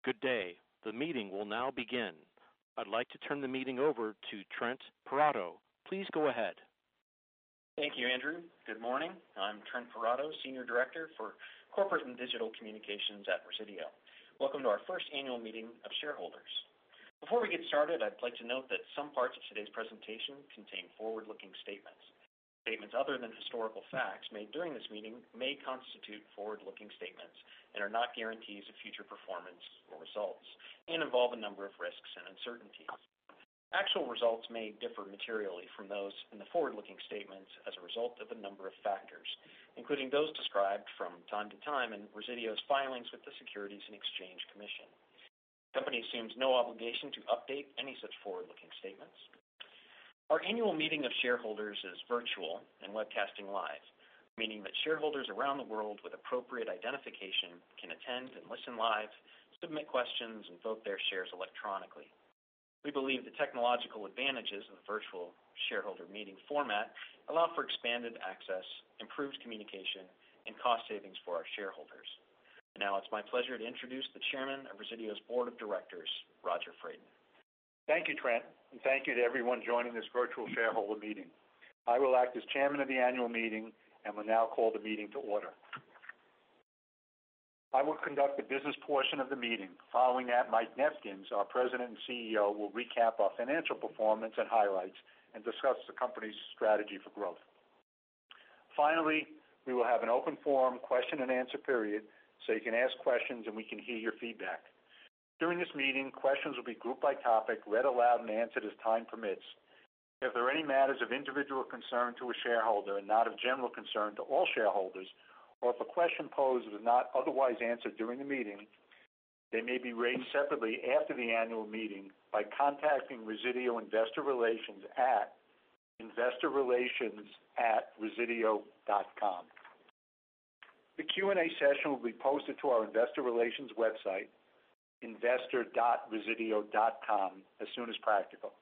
Good day. The meeting will now begin. I'd like to turn the meeting over to Trent Perrotto. Please go ahead. Thank you, Andrew. Good morning. I'm Trent Perrotto, Senior Director for Corporate and Digital Communications at Resideo. Welcome to our first annual meeting of shareholders. Before we get started, I'd like to note that some parts of today's presentation contain forward-looking statements. Statements other than historical facts made during this meeting may constitute forward-looking statements and are not guarantees of future performance or results, and involve a number of risks and uncertainties. Actual results may differ materially from those in the forward-looking statements as a result of a number of factors, including those described from time to time in Resideo's filings with the Securities and Exchange Commission. The company assumes no obligation to update any such forward-looking statements. Our annual meeting of shareholders is virtual and webcasting live, meaning that shareholders around the world with appropriate identification can attend and listen live, submit questions, and vote their shares electronically. We believe the technological advantages of the virtual shareholder meeting format allow for expanded access, improved communication, and cost savings for our shareholders. Now it's my pleasure to introduce the Chairman of Resideo's Board of Directors, Roger Fradin. Thank you, Trent, thank you to everyone joining this virtual shareholder meeting. I will act as chairman of the annual meeting and will now call the meeting to order. I will conduct the business portion of the meeting. Following that, Mike Nefkens, our President and Chief Executive Officer, will recap our financial performance and highlights and discuss the company's strategy for growth. Finally, we will have an open forum question and answer period so you can ask questions and we can hear your feedback. During this meeting, questions will be grouped by topic, read aloud, and answered as time permits. If there are any matters of individual concern to a shareholder and not of general concern to all shareholders, or if a question posed is not otherwise answered during the meeting, they may be raised separately after the annual meeting by contacting Resideo Investor Relations at investorrelations@resideo.com. The Q&A session will be posted to our investor relations website, investor.resideo.com, as soon as practical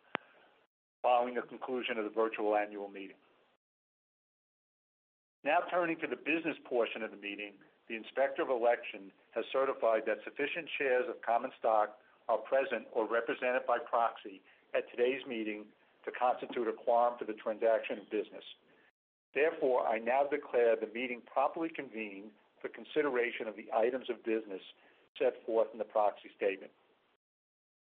following the conclusion of the virtual annual meeting. Now turning to the business portion of the meeting, the Inspector of Election has certified that sufficient shares of common stock are present or represented by proxy at today's meeting to constitute a quorum to the transaction of business. Therefore, I now declare the meeting properly convened for consideration of the items of business set forth in the proxy statement.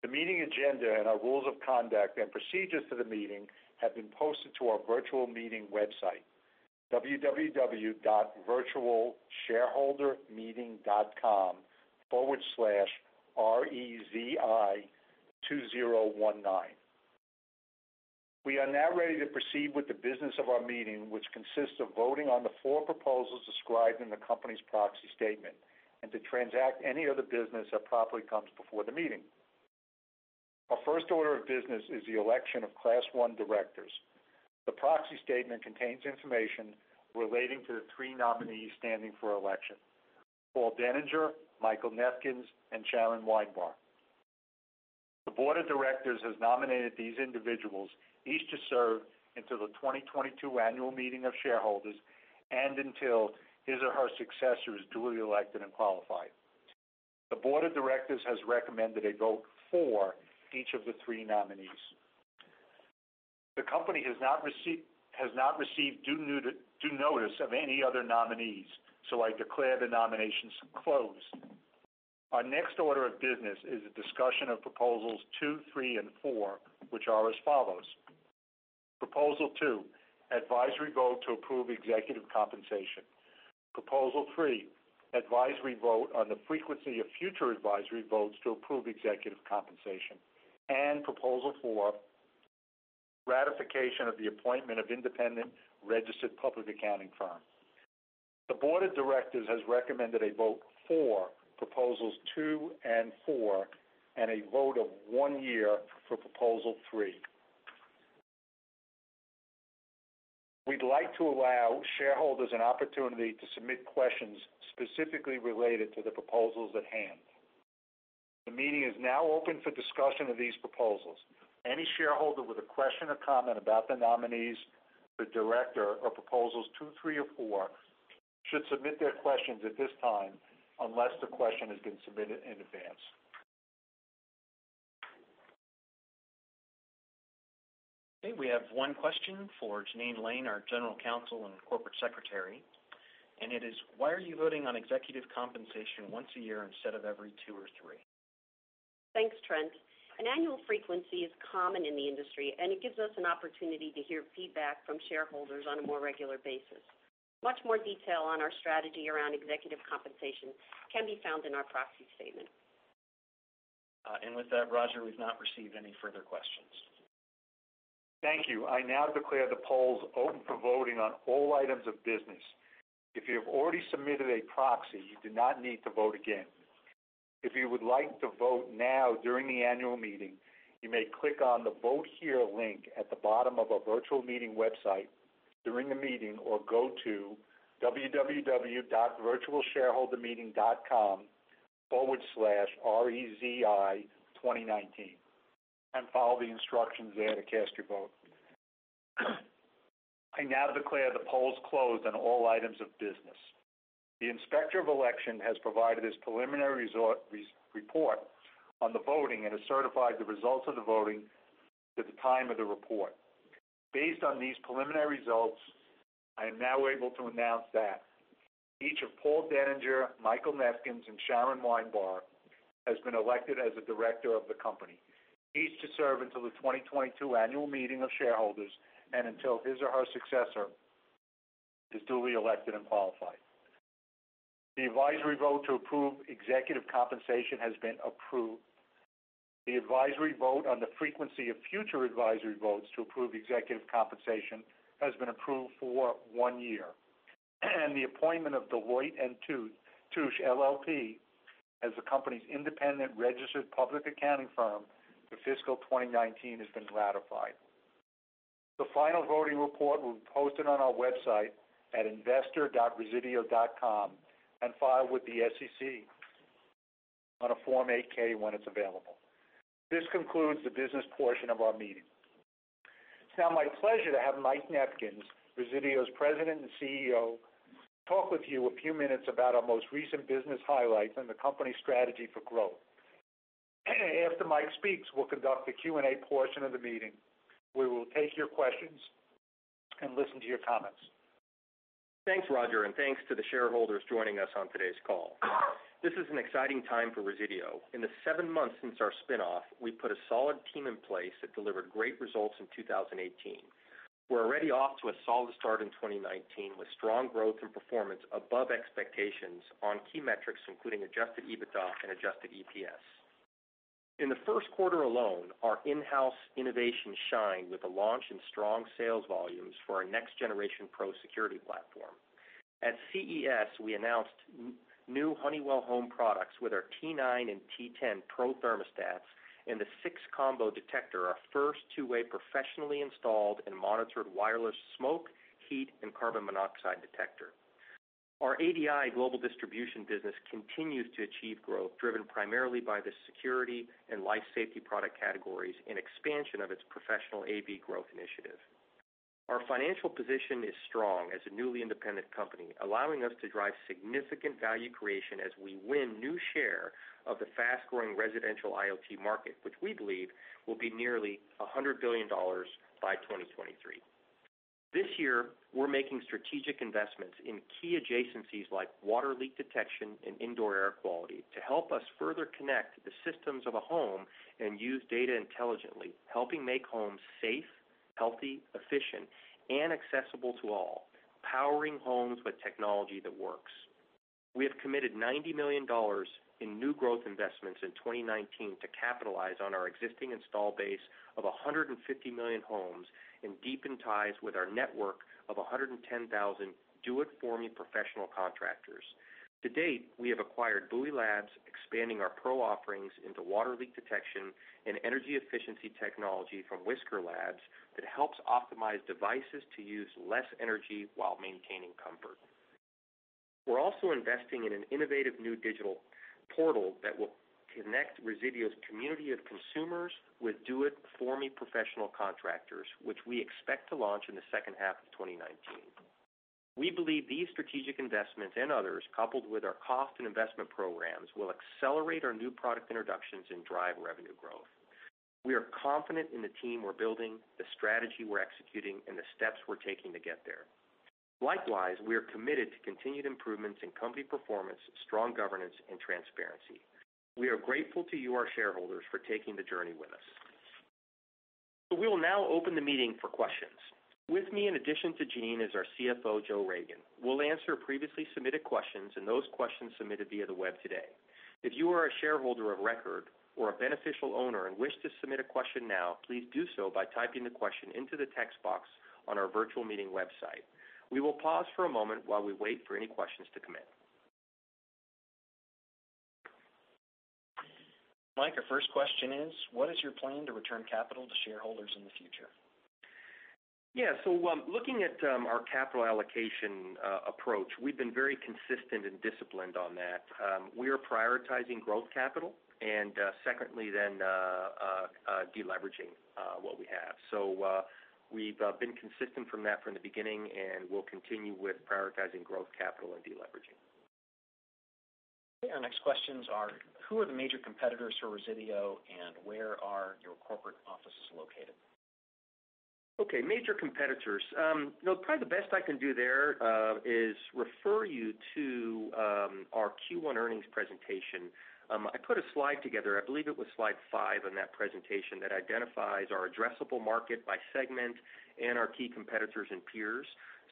The meeting agenda and our rules of conduct and procedures for the meeting have been posted to our virtual meeting website, www.virtualshareholdermeeting.com/rezi2019. We are now ready to proceed with the business of our meeting, which consists of voting on the four proposals described in the company's proxy statement and to transact any other business that properly comes before the meeting. Our first order of business is the election of Class 1 directors. The proxy statement contains information relating to the three nominees standing for election, Paul Deninger, Michael Nefkens, and Sharon Wienbar. The board of directors has nominated these individuals each to serve until the 2022 annual meeting of shareholders and until his or her successor is duly elected and qualified. The board of directors has recommended a vote for each of the three nominees. I declare the nominations closed. Our next order of business is a discussion of proposals 2, 3, and 4, which are as follows. Proposal 2, advisory vote to approve executive compensation. Proposal 3, advisory vote on the frequency of future advisory votes to approve executive compensation. Proposal 4, ratification of the appointment of independent registered public accounting firm. The board of directors has recommended a vote for proposals 2 and 4 and a vote of one year for proposal 3. We'd like to allow shareholders an opportunity to submit questions specifically related to the proposals at hand. The meeting is now open for discussion of these proposals. Any shareholder with a question or comment about the nominees, the director, or proposals 2, 3, or 4 should submit their questions at this time, unless the question has been submitted in advance. Okay, we have one question for Jeannine Lane, our General Counsel and Corporate Secretary. It is: Why are you voting on executive compensation once a year instead of every two or three? Thanks, Trent. An annual frequency is common in the industry. It gives us an opportunity to hear feedback from shareholders on a more regular basis. Much more detail on our strategy around executive compensation can be found in our proxy statement. With that, Roger, we've not received any further questions. Thank you. I now declare the polls open for voting on all items of business. If you have already submitted a proxy, you do not need to vote again. If you would like to vote now during the annual meeting, you may click on the Vote Here link at the bottom of our virtual meeting website during the meeting or go to www.virtualshareholdermeeting.com/rezi2019 and follow the instructions there to cast your vote. I now declare the polls closed on all items of business. The Inspector of Election has provided his preliminary report on the voting and has certified the results of the voting at the time of the report. Based on these preliminary results, I am now able to announce that each of Paul Deninger, Michael Nefkens, and Sharon Wienbar has been elected as a director of the company, each to serve until the 2022 annual meeting of shareholders and until his or her successor is duly elected and qualified. The advisory vote to approve executive compensation has been approved. The advisory vote on the frequency of future advisory votes to approve executive compensation has been approved for one year. The appointment of Deloitte & Touche LLP as the company's independent registered public accounting firm for fiscal 2019 has been ratified. The final voting report will be posted on our website at investor.resideo.com and filed with the SEC on a Form 8-K when it's available. This concludes the business portion of our meeting. It's now my pleasure to have Mike Nefkens, Resideo's President and CEO, talk with you a few minutes about our most recent business highlights and the company's strategy for growth. After Mike speaks, we'll conduct the Q&A portion of the meeting. We will take your questions and listen to your comments. Thanks, Roger, and thanks to the shareholders joining us on today's call. This is an exciting time for Resideo. In the seven months since our spinoff, we put a solid team in place that delivered great results in 2018. We're already off to a solid start in 2019 with strong growth and performance above expectations on key metrics, including adjusted EBITDA and adjusted EPS. In the first quarter alone, our in-house innovation shined with the launch and strong sales volumes for our next-generation pro security platform. At CES, we announced new Honeywell Home products with our T9 and T10 Pro thermostats and the SiXCOMBO detector, our first two-way professionally installed and monitored wireless smoke, heat, and carbon monoxide detector. Our ADI Global Distribution business continues to achieve growth driven primarily by the security and life safety product categories and expansion of its professional AV growth initiative. Our financial position is strong as a newly independent company, allowing us to drive significant value creation as we win new share of the fast-growing residential IoT market, which we believe will be nearly $100 billion by 2023. This year, we're making strategic investments in key adjacencies like water leak detection and indoor air quality to help us further connect the systems of a home and use data intelligently, helping make homes safe, healthy, efficient, and accessible to all, powering homes with technology that works. We have committed $90 million in new growth investments in 2019 to capitalize on our existing install base of 150 million homes and deepen ties with our network of 110,000 Do It For Me professional contractors. To date, we have acquired Buoy Labs, expanding our pro offerings into water leak detection and energy efficiency technology from Whisker Labs that helps optimize devices to use less energy while maintaining comfort. We're also investing in an innovative new digital portal that will connect Resideo's community of consumers with Do It For Me professional contractors, which we expect to launch in the second half of 2019. We believe these strategic investments and others, coupled with our cost and investment programs, will accelerate our new product introductions and drive revenue growth. We are confident in the team we're building, the strategy we're executing, and the steps we're taking to get there. Likewise, we are committed to continued improvements in company performance, strong governance, and transparency. We are grateful to you, our shareholders, for taking the journey with us. We will now open the meeting for questions. With me, in addition to Jean, is our CFO, Joe Ragan. We'll answer previously submitted questions and those questions submitted via the web today. If you are a shareholder of record or a beneficial owner and wish to submit a question now, please do so by typing the question into the text box on our virtual meeting website. We will pause for a moment while we wait for any questions to come in. Mike, our first question is: What is your plan to return capital to shareholders in the future? Yeah. Looking at our capital allocation approach, we've been very consistent and disciplined on that. We are prioritizing growth capital, and secondly, deleveraging what we have. We've been consistent from that from the beginning, and we'll continue with prioritizing growth capital and deleveraging. Okay, our next questions are: Who are the major competitors for Resideo, and where are your corporate offices located? Okay, major competitors. Probably the best I can do there is refer you to our Q1 earnings presentation. I put a slide together, I believe it was slide five in that presentation, that identifies our addressable market by segment and our key competitors and peers.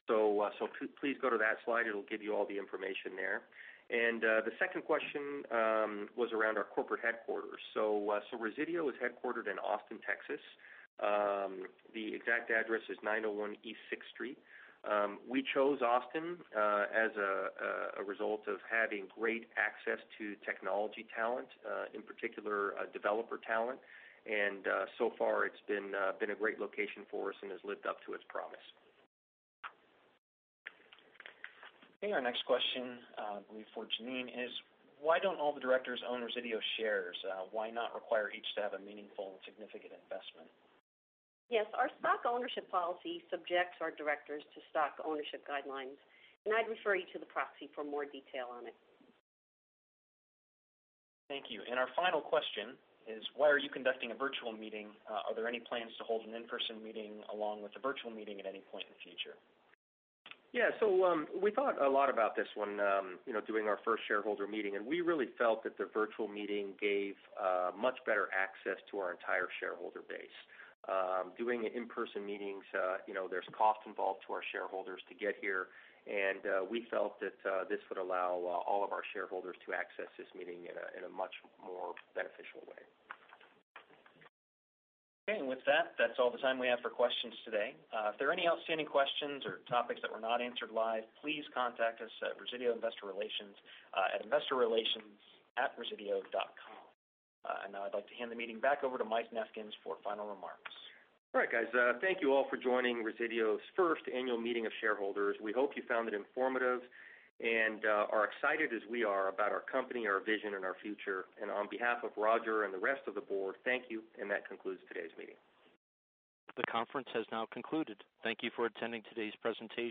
Please go to that slide. It'll give you all the information there. The second question was around our corporate headquarters. Resideo is headquartered in Austin, Texas. The exact address is 901 East Sixth Street. We chose Austin as a result of having great access to technology talent, in particular, developer talent. So far it's been a great location for us and has lived up to its promise. Our next question, I believe for Jean, is: Why don't all the directors own Resideo shares? Why not require each to have a meaningful and significant investment? Yes. Our stock ownership policy subjects our directors to stock ownership guidelines, and I'd refer you to the proxy for more detail on it. Thank you. Our final question is: Why are you conducting a virtual meeting? Are there any plans to hold an in-person meeting along with the virtual meeting at any point in the future? Yeah. We thought a lot about this when doing our first shareholder meeting, and we really felt that the virtual meeting gave much better access to our entire shareholder base. Doing in-person meetings, there's cost involved to our shareholders to get here, and we felt that this would allow all of our shareholders to access this meeting in a much more beneficial way. Okay. With that's all the time we have for questions today. If there are any outstanding questions or topics that were not answered live, please contact us at Resideo Investor Relations at investorrelations@resideo.com. Now I'd like to hand the meeting back over to Mike Nefkens for final remarks. All right, guys. Thank you all for joining Resideo's first annual meeting of shareholders. We hope you found it informative and are excited as we are about our company, our vision, and our future. On behalf of Roger and the rest of the board, thank you, and that concludes today's meeting. The conference has now concluded. Thank you for attending today's presentation.